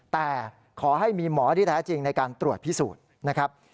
แต่ขอให้มีหมอที่แท้จริงในการตรวจพิสูจน์นะครับ